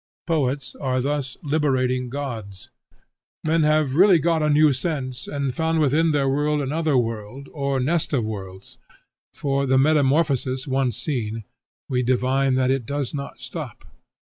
Poets are thus liberating gods. Men have really got a new sense, and found within their world another world, or nest of worlds; for, the metamorphosis once seen, we divine that it does not stop.